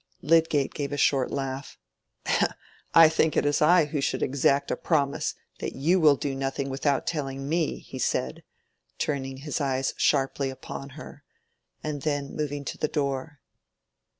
Lydgate gave a short laugh. "I think it is I who should exact a promise that you will do nothing without telling me," he said, turning his eyes sharply upon her, and then moving to the door.